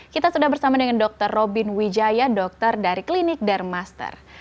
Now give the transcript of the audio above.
kita sudah bersama dengan dr robin wijaya dokter dari klinik dermaster